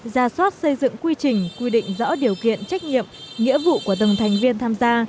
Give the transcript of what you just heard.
ra soát xây dựng quy trình quy định rõ điều kiện trách nhiệm nghĩa vụ của từng thành viên tham gia